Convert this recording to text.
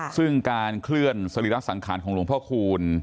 ซึ่งการเคลื่อนสรีระสังขารของหลวงพ่อคูณ